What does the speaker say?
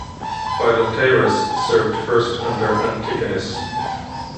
Philetaerus served first under Antigonus.